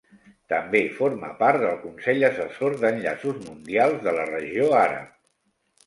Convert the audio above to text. També forma part del consell assessor d'Enllaços Mundials de la Regió Àrab.